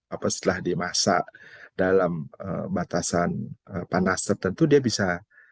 apa setelah dimasak dalam batasan panas tertentu dia bisa